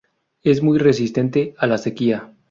Es muy resistente a la sequía.